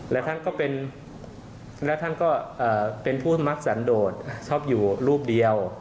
และท่านก็เป็นและท่านก็เป็นผู้สมัครสันโดดชอบอยู่รูปเดียว